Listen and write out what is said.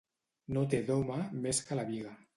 No té d'home més que la biga.